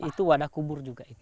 itu wadah kubur juga itu